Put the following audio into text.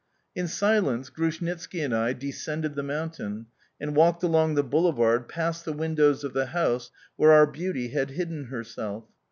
In silence Grushnitski and I descended the mountain and walked along the boulevard, past the windows of the house where our beauty had hidden herself.